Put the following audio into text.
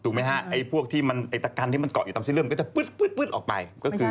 ถูกมั้ยฮะไอ้พวกที่มันก็กว่ายังตามเส้นเลือดถูกมันก็จะพื้ดออกไป